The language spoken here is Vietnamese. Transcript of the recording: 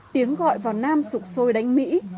tiếng gọi vào nam sụp sôi đánh mỹ